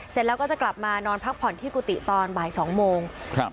เสร็จแล้วก็จะกลับมานอนพักผ่อนที่กุฏิตอนบ่ายสองโมงครับ